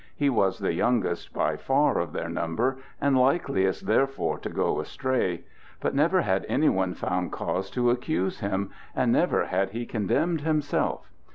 He was the youngest by far of their number and likeliest therefore to go astray; but never had any one found cause to accuse him, and never had he condemned himself.